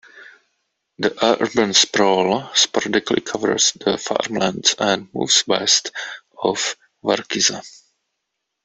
The urban sprawl sporadically covers the farmlands and moves west of Varkiza.